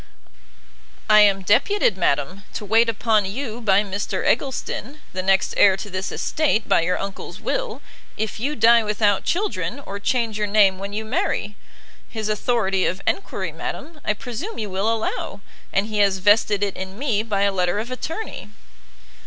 "I am deputed, madam, to wait upon you by Mr Eggleston, the next heir to this estate, by your uncle's will, if you die without children, or change your name when you marry. His authority of enquiry, madam, I presume you will allow, and he has vested it in me by a letter of attorney."